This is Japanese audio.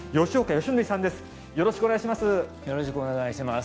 よろしくお願いします。